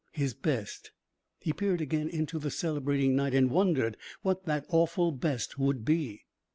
His best! He peered again into the celebrating night and wondered what that awful best would be.